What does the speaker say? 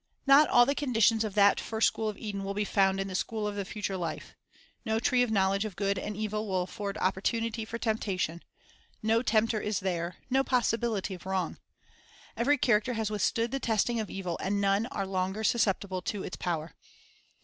Not all the conditions of that first school of Eden will be found in the school conditions f t j ie future life. No tree of knowledge of good and evil will afford opportunity for temptation. No tempter is there, no possibility of wrong. Every character has withstood the testing of evil, and none are longer sus ceptible to its power.